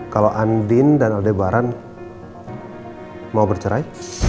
kalau andin dan aldebaran mau bercerai